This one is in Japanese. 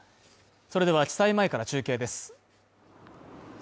それでは地裁前から中継です。